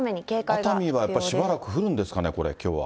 熱海はやっぱりしばらく降るんですかね、これ、きょうは。